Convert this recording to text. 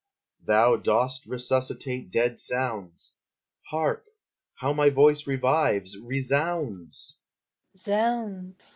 _ Thou dost resuscitate dead sounds, Hark! how my voice revives, resounds!